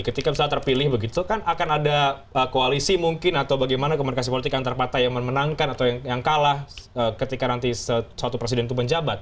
ketika misalnya terpilih begitu kan akan ada koalisi mungkin atau bagaimana komunikasi politik antar partai yang memenangkan atau yang kalah ketika nanti suatu presiden itu menjabat